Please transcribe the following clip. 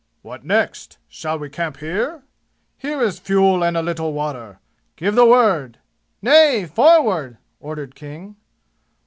"What next? Shall we camp here? Here is fuel and a little water. Give the word " "Nay forward!" ordered King.